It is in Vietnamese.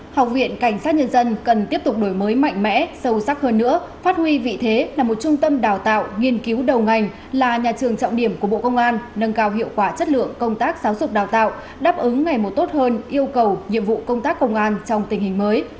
học viện cảnh sát nhân dân cần tiếp tục đổi mới mạnh mẽ sâu sắc hơn nữa phát huy vị thế là một trung tâm đào tạo nghiên cứu đầu ngành là nhà trường trọng điểm của bộ công an nâng cao hiệu quả chất lượng công tác giáo dục đào tạo đáp ứng ngày một tốt hơn yêu cầu nhiệm vụ công tác công an trong tình hình mới